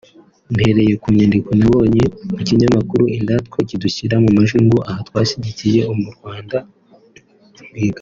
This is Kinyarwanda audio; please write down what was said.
Mpereye ku nyandiko nabonye mu kinyamakuru «Indatwa» kidushyira mu majwi ngo aha twashyigikiye umuryango wa Rwigara